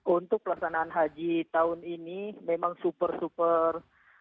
untuk pelaksanaan haji tahun ini memang super super